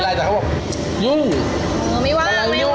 แต่เขาบอกยุ่งไม่ว่าง